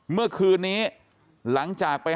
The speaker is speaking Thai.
เมื่อคืนนี้หลังจากไป